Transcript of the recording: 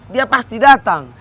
dia pasti datang